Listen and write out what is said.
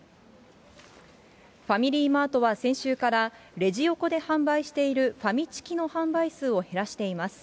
ファミリーマートは先週から、レジ横で販売しているファミチキの販売数を減らしています。